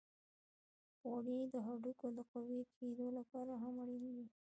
غوړې د هډوکو د قوی کیدو لپاره هم اړینې دي.